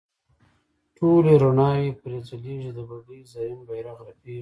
ټولې روڼاوې پرې ځلیږي د بګۍ زرین بیرغ رپیږي.